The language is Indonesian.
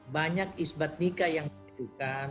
banyak isbat nikah yang menentukan